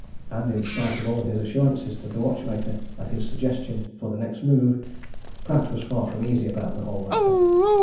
And in spite of all his assurances to the watchmaker and his suggestion for the next move, Pratt was far from easy about the whole matter.